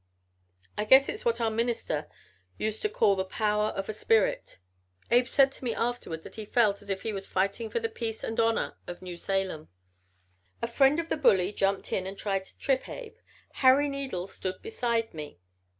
I guess it's what our minister used to call the power of the spirit. Abe said to me afterwards that he felt as if he was fighting for the peace and honor of New Salem. "A friend of the bully jumped in and tried to trip Abe. Harry Needles stood beside me.